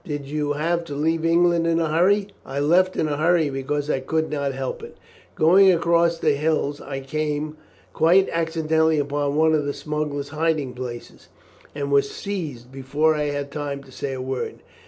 "Did you have to leave England in a hurry?" "I left in a hurry because I could not help it. Going across the hills I came quite accidentally upon one of the smugglers' hiding places, and was seized before I had time to say a word.